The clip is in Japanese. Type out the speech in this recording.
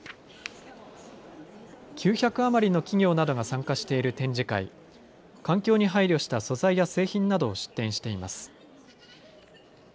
９００余りの企業などが参加している展示会、環境に配慮した素材や製品などを出展しています。